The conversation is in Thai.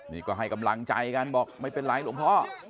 นี่ก็ให้กำลังใจกันบอกไม่เป็นไรหลวงพ่อ